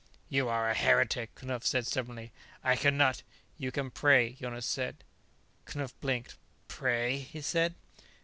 "You are a heretic," Knupf said stubbornly. "I can not " "You can pray," Jonas said. Knupf blinked. "Pray?" he said.